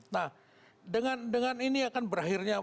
nah dengan ini akan berakhirnya